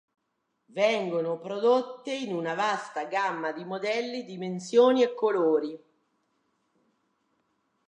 Vengono prodotte in una vasta gamma di modelli, dimensioni e colori.